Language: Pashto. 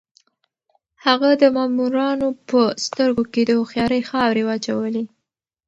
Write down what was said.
هغه د مامورانو په سترګو کې د هوښيارۍ خاورې واچولې.